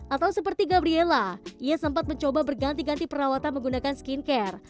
atau seperti gabriela ia sempat mencoba berganti ganti perawatan menggunakan skincare